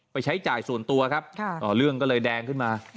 ใช้จ่ายส่วนตัวครับเรื่องก็เลยแดงขึ้นมา